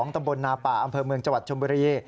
ตำบลนาป่าอำเภอเมืองจังหวัดชมบุรี